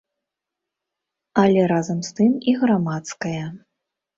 Але разам з тым і грамадская.